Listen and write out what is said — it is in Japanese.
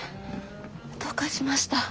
どうかしました？